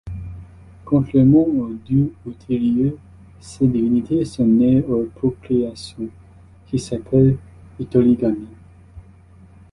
Contrairement aux dieux ultérieurs, ces divinités sont nées hors procréation, qui s'appelle hitorigami.